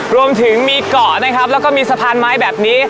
รวมถึงมีเกาะนะครับแล้วก็มีสะพานไม้แบบนี้